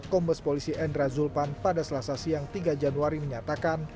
kombes polisi endra zulpan pada selasa siang tiga januari menyatakan